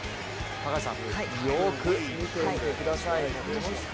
高橋さん、よく見ていてください。